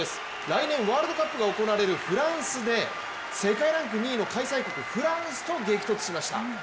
来年ワールドカップが行われるフランスで、世界ランク２位の開催国フランスと激突しました。